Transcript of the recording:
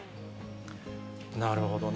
なるほどね。